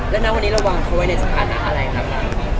แล้วนั้นวันนี้เราวางเขาไว้ในสถานะอะไรครับ